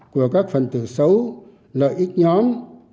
của các phần tử xấu lợi ích nhóm